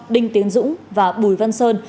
đinh tiến dũng và bùi văn sơn